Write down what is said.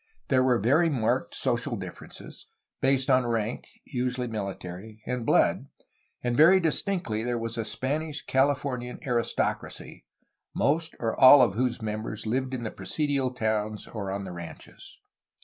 There were very marked social differences, based on rank (usually military) and blood, and very distinctly there was a Spanish CaUfornian aristocracy, most, or all, of whose members Uved in the presidial towns or on the ranches.